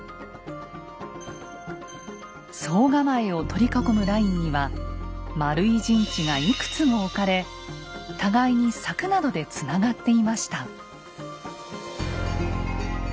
総構を取り囲むラインには丸い陣地がいくつも置かれ互いに柵などでつながっていました。